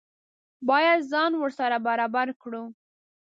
باید ځان ورسره برابر کړو.